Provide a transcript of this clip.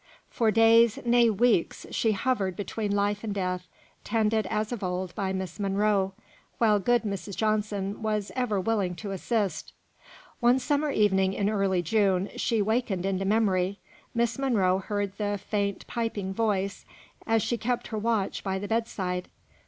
For days, nay weeks, she hovered between life and death, tended, as of old, by Miss Monro, while good Mrs. Johnson was ever willing to assist. One summer evening in early June she wakened into memory, Miss Monro heard the faint piping voice, as she kept her watch by the bedside.